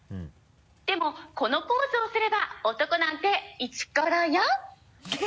「でもこのポーズをすれば男なんてイチコロよ」